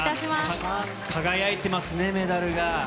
輝いてますね、メダルが。